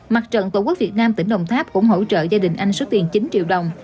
mặt trận tổ quốc việt nam tỉnh đồng tháp cũng hỗ trợ gia đình anh số tiền chín triệu đồng